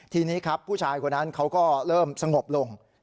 ทีนี้ครับผู้ชายคนนั้นเขาก็เริ่มสงบลง